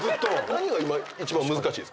何が今一番難しいですか？